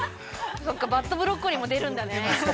そっかバッドブロッコリーも出るんだね。